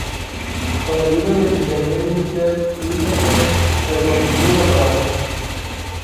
Con la ayuda del ingeniero industrial Luis Acedo, reconstruyó el aparato.